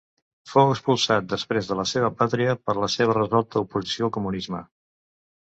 Fou expulsat després de la seva pàtria per la seva resolta oposició al comunisme.